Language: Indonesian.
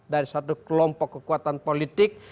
dari satu kelompok kekuatan politik